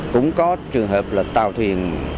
cũng có trường hợp là tàu thuyền